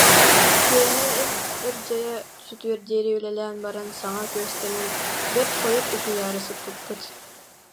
Киэһэ им ырдьайа сүтүөр диэри үлэлээн баран саҥа күөстэнэн, бэрт хойут утуйаары сыппыппыт